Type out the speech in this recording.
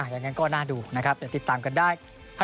อย่างนั้นก็น่าดูนะครับเดี๋ยวติดตามกันได้